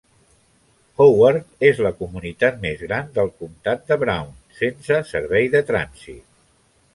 Howard és la comunitat més gran del comtat de Brown sense servei de trànsit.